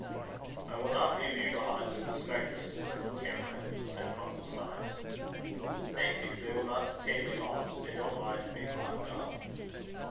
"I will not leave you behind with the spectres, Miss Cameron," said Funkelstein. "Thank you; they will not detain me long. They don't mind being locked up."